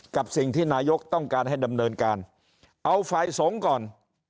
กับสิ่งที่นายกต้องการให้ดำเนินการเอาฝ่ายสงฆ์ก่อน